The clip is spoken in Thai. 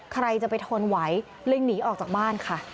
ใครจะไปทนไหวเลยหนีออกจากบ้านค่ะ